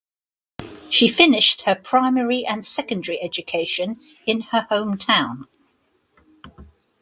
She finished her primary and secondary education in her hometown.